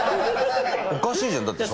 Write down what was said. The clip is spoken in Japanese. おかしいじゃんだって。